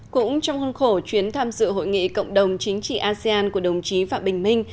cũng trong hôn khổ chuyến tham dự hội nghị cộng đồng chính trị asean của đồng chí phạm bình minh